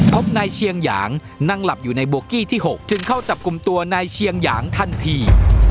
พบนายเชียงหยางนั่งหลับอยู่ในโบกี้ที่๖จึงเข้าจับกลุ่มตัวนายเชียงหยางทันที